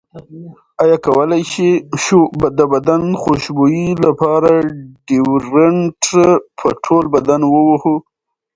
ایا کولی شو د بدن خوشبویۍ لپاره ډیوډرنټ په ټول بدن ووهلو؟